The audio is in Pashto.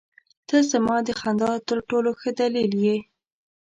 • ته زما د خندا تر ټولو ښه دلیل یې.